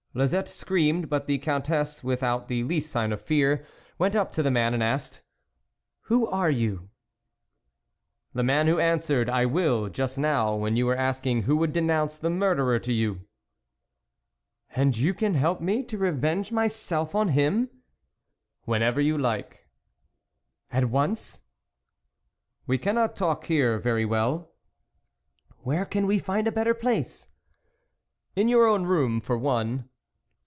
Lisette screamed, but the Countess, with out the least sign of fear, went up to the man, and asked :" Who are you ?"" The man who answered ' I will ' just now, when you were asking who would denounce the murderer to you." " And you can help me to revenge my self on him ?"" Whenever you like." "At once?" " We cannot talk here very well." " Where can we find a better place ?"" In your own room for one."